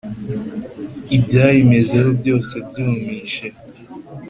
ibyayimezeho byose mbyumishe ;